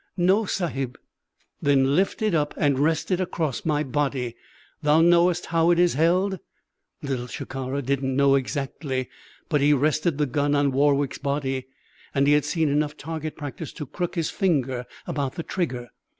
"No, Sahib " "Then lift it up and rest it across my body. Thou knowest how it is held " Little Shikara didn't know exactly, but he rested the gun on Warwick's body; and he had seen enough target practice to crook his finger about the trigger.